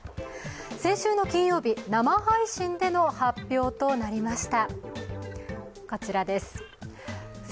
先週の金曜日、生配信での発表となりました。